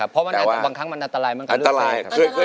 เพราะว่าในบางครั้งมันอันตรายมันก็ตาย